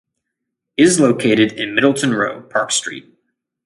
It is located in Middleton Row, Park Street.